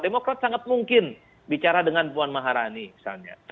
demokrat sangat mungkin bicara dengan puan maharani misalnya